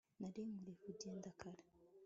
nari nkwiye kugenda kare